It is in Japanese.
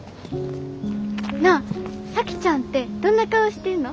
なあ咲妃ちゃんってどんな顔してんの？